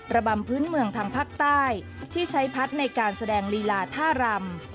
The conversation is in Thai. ระบำพื้นเมืองทางภาคใต้ที่ใช้พัดในการแสดงลีลาท่ารำ